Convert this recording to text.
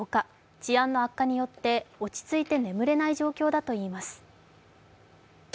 治安の悪化によって落ち着いて眠れない状況だといいます。